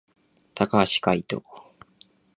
高橋海人